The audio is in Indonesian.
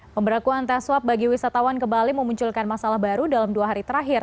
pemberakuan tes swab bagi wisatawan ke bali memunculkan masalah baru dalam dua hari terakhir